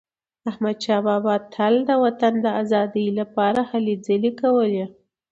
احمدشاه بابا تل د وطن د ازادی لپاره هلې ځلي کولي.